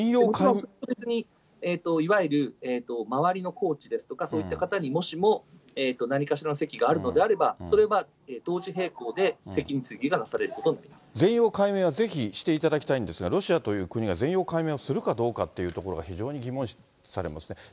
今回は、特別に周りのコーチですとか、そういった方にもしも、何かしらの責があるのであれば、それは同時並行で責任追及がなさ全容解明はぜひ、していただきたいんですが、ロシアという国は、全容解明をするかどうかというところが非常に疑問視されますね。